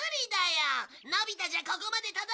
のび太じゃここまで届かないって。